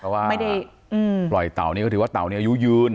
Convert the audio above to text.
เพราะว่าไม่ได้ปล่อยเต่านี่ก็ถือว่าเต่าเนี่ยอายุยืน